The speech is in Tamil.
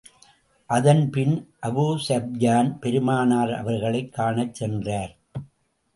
அதன் பின், அபூ ஸுப்யான் பெருமானார் அவர்களைக் காணச் சென்றார்.